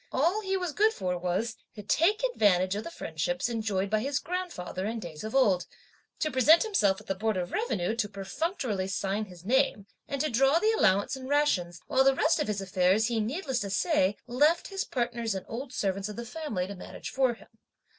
All he was good for was: to take advantage of the friendships enjoyed by his grandfather in days of old, to present himself at the Board of Revenue to perfunctorily sign his name and to draw the allowance and rations; while the rest of his affairs he, needless to say, left his partners and old servants of the family to manage for him.